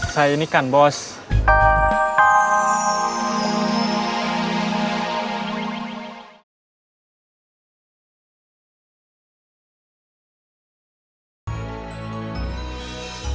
saya ini kan bawah